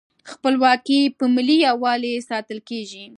خپلواکي په ملي یووالي ساتل کیږي.